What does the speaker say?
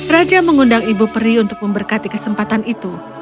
raja mengundang ibu peri untuk memberkati kesempatan itu